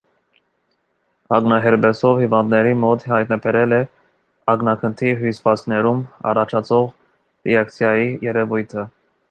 Ակնահերպեսով հիվանդների մոտ հայտնաբերել է ակնագնդի հյուսվածքներում առաջացող ռեակցիայի երևույթը։